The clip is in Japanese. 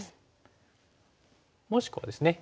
もしくはですね